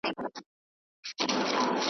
چي کړي ډک د مځکي مخ له مخلوقاتو .